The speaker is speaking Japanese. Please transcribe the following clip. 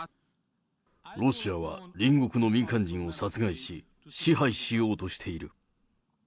ロシアは隣国の民間人を殺害し、支配しようとしている。